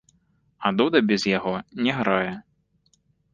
А дуда без яго не грае.